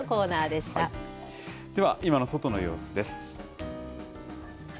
では、今の外の様子です。